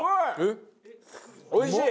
おいしい！